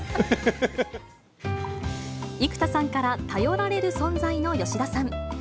生田さんから頼られる存在の吉田さん。